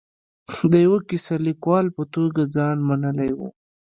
د یوه کیسه لیکوال په توګه ځان منلی و.